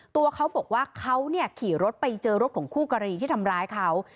ตัวเขาบอกว่าเขาขี่รถไปเจอรถของคู่กรณีที่ทำร้ายเขา